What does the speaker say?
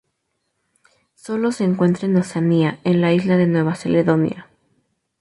Solo se encuentra en Oceanía en la isla de Nueva Caledonia.